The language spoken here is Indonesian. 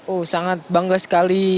oh sangat bangga sekali